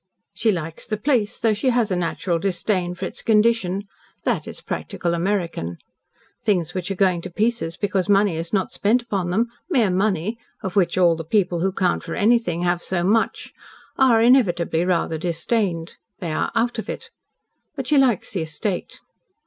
"She likes the place, though she has a natural disdain for its condition. That is practical American. Things which are going to pieces because money is not spent upon them mere money, of which all the people who count for anything have so much are inevitably rather disdained. They are 'out of it.' But she likes the estate."